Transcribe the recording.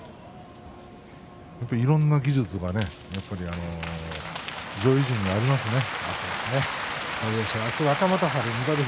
いろんな技術が上位陣にはありますね。